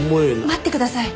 待ってください。